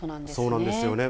そうなんですよね。